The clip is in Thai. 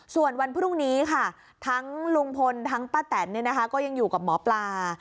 ส่วนวันพรุ่งนี้ค่ะทั้งลุงพลทั้งป้าแตนก็ยังอยู่กับหมอปลา